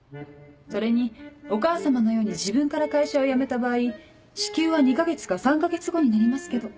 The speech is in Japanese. それにお母様のように自分から会社を辞めた場合支給は２か月か３か月後になりますけど。